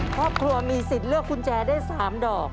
ครอบครัวมีสิทธิ์เลือกกุญแจได้๓ดอก